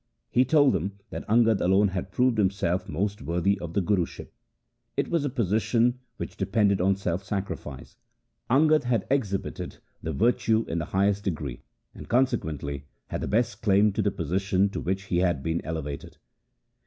He told them that Angad alone had proved himself most worthy of the Guruship. It was a position which depended on self sacrifice, Angad had exhibited that virtue in the highest degree, and consequently had the best claim to the position to which he had been elevated.